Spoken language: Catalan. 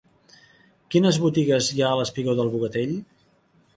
Quines botigues hi ha al espigó del Bogatell?